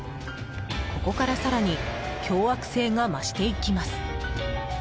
ここから更に凶悪性が増していきます。